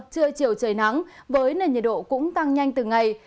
trưa chiều trời nắng với nền nhiệt độ cũng tăng nhanh từng ngày